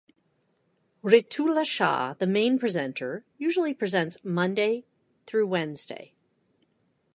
Ritula Shah, the main presenter, usually presents Monday - Wednesday.